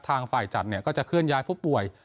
ทางฝ่ายจัดก็จะเคลื่อนย้ายผู้ป่วย